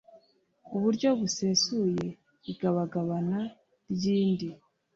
uburyo busesuye igabagabana ry indi